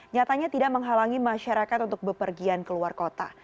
nyatanya tidak menghalangi masyarakat untuk bepergian keluar kota